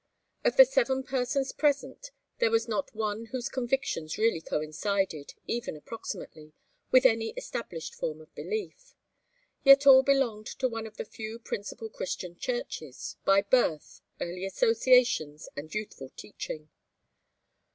Of the seven persons present there was not one whose convictions really coincided, even approximately, with any established form of belief. Yet all belonged to some one of the few principal Christian churches, by birth, early associations and youthful teaching.